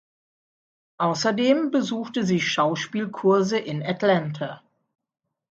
Außerdem besuchte sie Schauspielkurse in Atlanta.